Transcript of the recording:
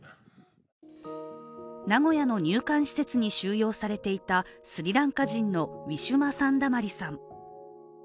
名古屋の入管施設に収容されていたスリランカ人のウィシュマ・サンダマリさん。